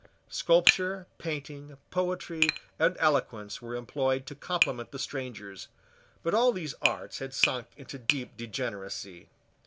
Sculpture, painting, poetry, and eloquence were employed to compliment the strangers: but all these arts had sunk into deep degeneracy.